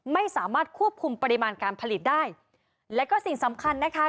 ไม่สามารถควบคุมปริมาณการผลิตได้แล้วก็สิ่งสำคัญนะคะ